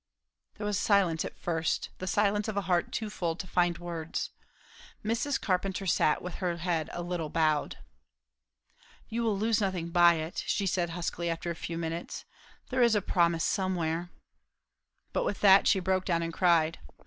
There was silence at first, the silence of a heart too full to find words. Mrs. Carpenter sat with her head a little bowed. "You will lose nothing by it," she said huskily after a few minutes. "There is a promise somewhere " But with that she broke down and cried.